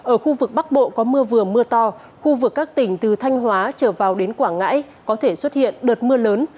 ở khu vực bắc bộ có mưa vừa mưa to khu vực các tỉnh từ thanh hóa trở vào đến quảng ngãi có thể xuất hiện đợt mưa lớn